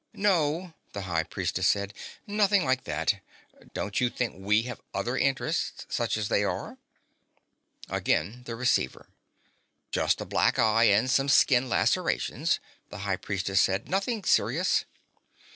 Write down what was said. "No," the High Priestess said. "Nothing like that. Don't you think we have other interests such as they are?" Again the receiver. "Just a black eye and some skin lacerations," the High Priestess said. "Nothing serious."